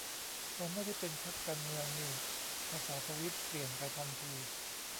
พอไม่ได้เป็นพรรคการเมืองนี่ภาษาทวีตเปลี่ยนไปทันที